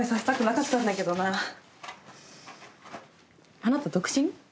あなた独身？